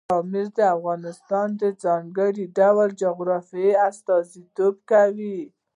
پامیر د افغانستان د ځانګړي ډول جغرافیه استازیتوب کوي.